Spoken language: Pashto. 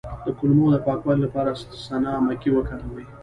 د کولمو د پاکوالي لپاره سنا مکی وکاروئ